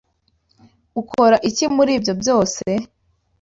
Ukora iki muri ibyo byose?